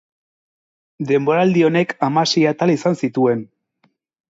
Denboraldi honek hamasei atal izan zituen.